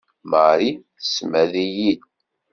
Marie tessmad-iyi.